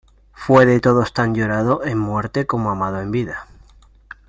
Fue de todos tan llorado en muerte, como amado en vida.